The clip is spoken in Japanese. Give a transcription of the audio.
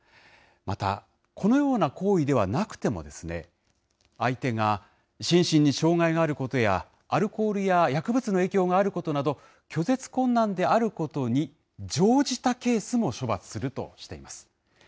また、このような行為ではなくても、相手が心身に障害があることや、アルコールや薬物の影響があることなど、拒絶困難であることに乗じたケースも処罰するとしています。